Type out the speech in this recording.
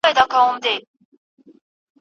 جلال آباد ته وتښتېدل.